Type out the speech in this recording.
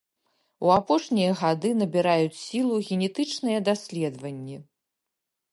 У апошнія гады набіраюць сілу генетычныя даследаванні.